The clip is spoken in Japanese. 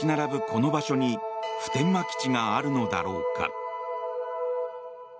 この場所に普天間基地があるのだろうか。